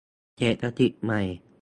เศรษฐกิจใหม่